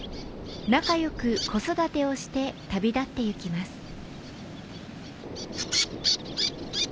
仲良く子育てをして旅立って行きます。